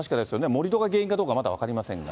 盛り土が原因かどうか、まだ分かりませんが。